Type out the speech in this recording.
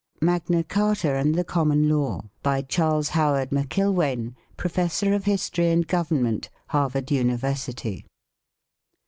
MAGNA CARTA AND COMMON LAW. CHARLES HOWARD MC!LWAIN, Professor of History and Government, Harvard University.